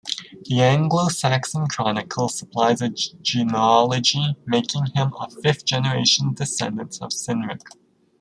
The "Anglo-Saxon Chronicle" supplies a genealogy, making him a fifth-generation descendant of Cynric.